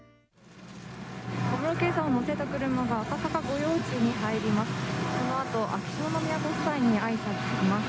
小室圭さんを乗せた車が赤坂御用地に入ります。